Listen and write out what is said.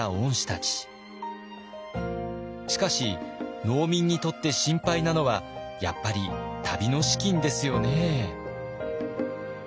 しかし農民にとって心配なのはやっぱり旅の資金ですよね。